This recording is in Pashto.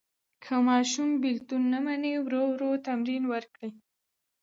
که ماشوم بېلتون نه مني، ورو ورو تمرین ورکړئ.